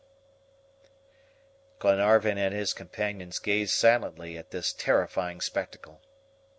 Glenarvan and his companions gazed silently at this terrifying spectacle.